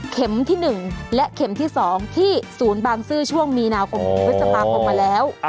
เข็มที่๑และเข็มที่๒ที่ศูนย์บางซื่อช่วงมีนาวของวิศตาปออกมาแล้ว